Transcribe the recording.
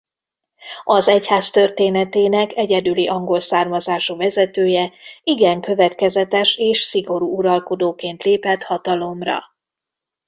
Az egyház történetének egyedüli angol származású vezetője igen következetes és szigorú uralkodóként lépett hatalomra.